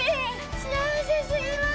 幸せすぎます。